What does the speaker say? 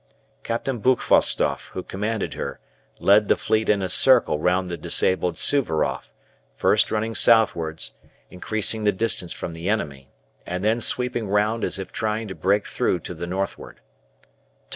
Captain Buchvostoff, who commanded her, led the fleet in a circle round the disabled "Suvaroff," first running southwards, increasing the distance from the enemy, and then sweeping round as if trying to break through to the northward.